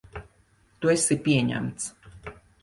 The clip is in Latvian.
Tu esi pieņemts.